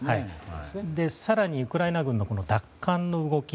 更に、ウクライナ軍の奪還の動き